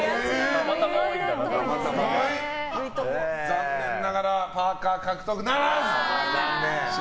残念ながらパーカ獲得ならず。